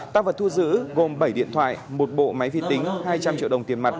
tăng vật thu giữ gồm bảy điện thoại một bộ máy vi tính hai trăm linh triệu đồng tiền mặt